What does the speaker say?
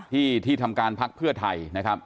ที่ที่ทำการพักเพื่อไทยนะครับ